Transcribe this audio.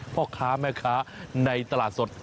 พ่อค้าแม่ค้าในตลาดสด